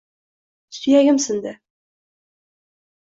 Suyagim sindi.